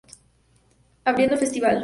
Abriendo el Festival.